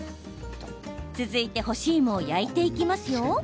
続いて干し芋を焼いていきますよ。